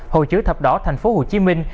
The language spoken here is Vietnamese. hội chứa thập đỏ thành phố hồ chí minh